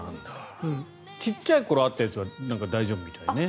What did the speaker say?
ちっちゃい頃あったやつは大丈夫みたいね。